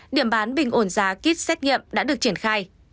điểm bán bình nguồn giá kít xét nghiệm đã được triển khai